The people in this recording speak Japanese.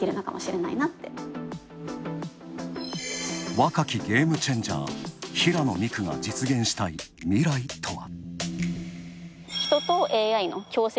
若きゲームチェンジャー、平野未来が実現したい未来とは。